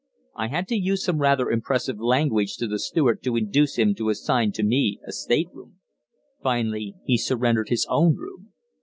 I had to use some rather impressive language to the steward to induce him to assign to me a stateroom. Finally, he surrendered his own room.